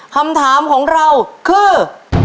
คำถามของเราคือ